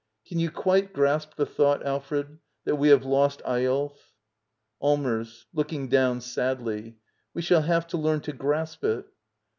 ] Can you quite grasp the thought, Alfred — that we have lost Eyolf? Allmers. [Looking down sadly.] We shall have to learn to grasp it.